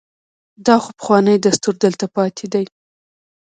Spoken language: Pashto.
دا خو پخوانی دستور دلته پاتې دی.